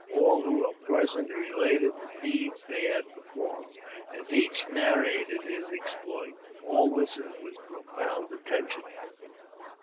All who were present related the deeds they had performed. As each narrated hi exploits, all listened with profound attention.